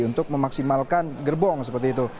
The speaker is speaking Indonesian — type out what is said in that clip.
untuk memaksimalkan gerbong seperti itu